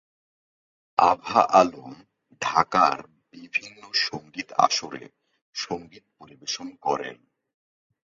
আভা আলম ঢাকার বিভিন্ন সঙ্গীত-আসরে সঙ্গীত পরিবেশন করেন।